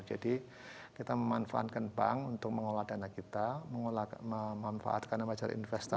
jadi kita memanfaatkan bank untuk mengelola dana kita memanfaatkan dan memajari investasi